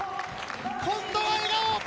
今度は笑顔！